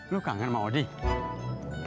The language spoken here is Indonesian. lu kangen sama odih